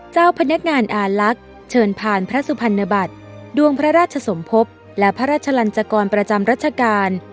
เจ้าพนักงานอาลักษณ์เชิญผ่านพระสุพรรณบัตรดวงพระราชสมภพและพระราชลันจกรประจำรัชกาล